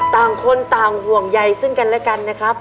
ต่างคนต่างห่วงใยซึ่งกันและกันนะครับ